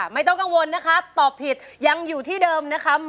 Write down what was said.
ไม่ต้องกังวลนะคะตอบผิดยังอยู่ที่เดิมนะครับ